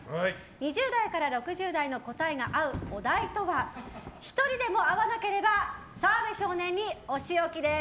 ２０代から６０代の答えが合うお題とは１人でも合わなければ澤部少年にお仕置きです。